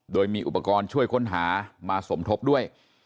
โดยมีอุปกรณ์ช่วยค้นหามาสมทบด้วย